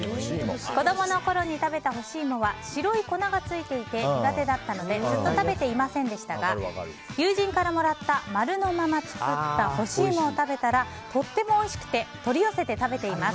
子供のころに食べた干し芋は白い粉がついていて苦手だったのでずっと食べていませんでしたが友人からもらった丸のまま作った干し芋を食べたらとってもおいしくて取り寄せて食べています。